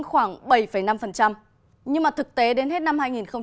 khoảng bảy năm nhưng mà thực tế đến hết năm hai nghìn một mươi chín